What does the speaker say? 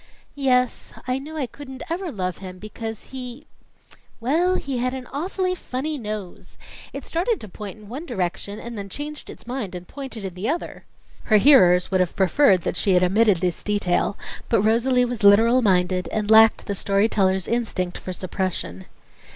"Yes. I knew I couldn't ever love him, because, he well, he had an awfully funny nose. It started to point in one direction, and then changed its mind and pointed in the other." Her hearers would have preferred that she had omitted this detail; but Rosalie was literal minded and lacked the story teller's instinct for suppression.